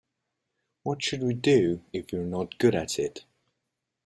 What should we do if we're not good at it?